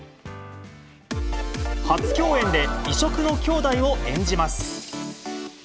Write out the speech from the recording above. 初共演で、異色の兄弟を演じます。